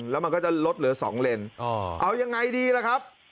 แล้วมันก็จะลดเหลือ๒เลนเอายังไงดีล่ะครับ